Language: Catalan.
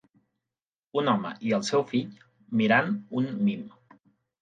Un home i el seu fill mirant un mim.